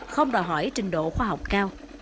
không đòi hỏi trình độ khoa học cao